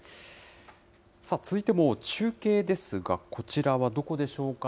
さあ、続いても中継ですが、こちらはどこでしょうか？